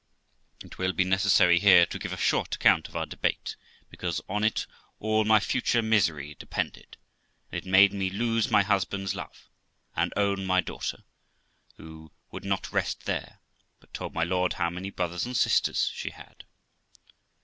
It will be necessary here to give a short account of our debate, because on it all my future misery depended, and it made me lose my husband's love, and own my daughter; who would not rest there, but told my lord how many brothers and sisters she had.